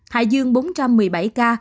hải dương bốn trăm một mươi bảy ca